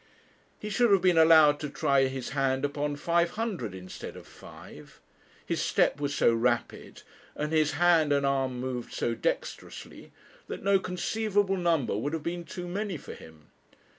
He should have been allowed to try his hand upon five hundred instead of five. His step was so rapid and his hand and arm moved so dexterously, that no conceivable number would have been too many for him.